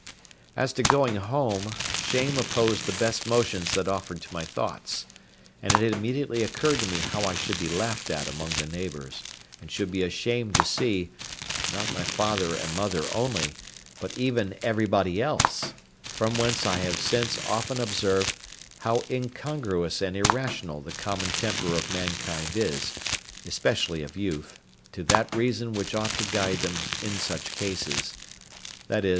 As to going home, shame opposed the best motions that offered to my thoughts, and it immediately occurred to me how I should be laughed at among the neighbours, and should be ashamed to see, not my father and mother only, but even everybody else; from whence I have since often observed, how incongruous and irrational the common temper of mankind is, especially of youth, to that reason which ought to guide them in such cases—viz.